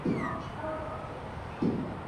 ایا تاسو د پلان جوړوني په اهمیت پوهیږئ؟